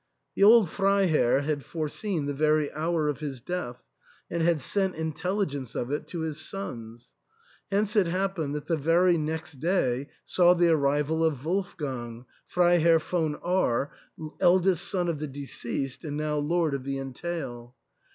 The old Freiherr had forseen the very hour of his death, and had sent intelligence of it to his sons. Hence it happened that the very next day saw the arrival of Wolfgang, Freiherr von R , eldest son of the deceased, and now lord of the entail.